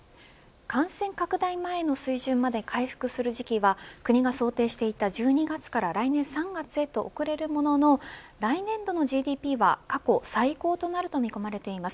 感染拡大前の水準まで回復する時期は国が想定していた１２月から来年３月へと遅れるものの来年度のＧＤＰが過去最高となると見込まれています。